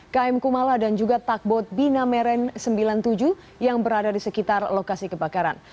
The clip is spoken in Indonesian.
km kumala dan juga takbot bina meren sembilan puluh tujuh yang berada di sekitar lokasi kebakaran